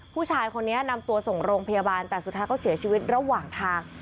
ผู้ชายคนนี้นำตัวส่งโรงพยาบาลแต่สุดท้ายก็เสียชีวิตระหว่างทาง